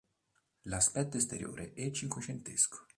L'aspetto esteriore e cinquecentesco.